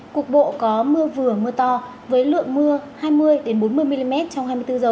cục bộ có mưa vừa mưa to với lượng mưa hai mươi bốn mươi mm trong hai mươi bốn h